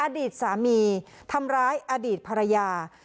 อดีตสามีทำร้ายอดีตภรรยา